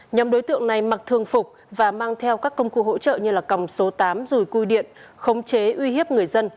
nhóm đối tượng này mặc thường phục và mang theo các công cụ hỗ trợ như còng số tám rùi cui điện khống chế uy hiếp người dân